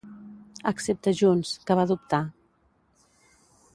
excepte Junts, que va dubtar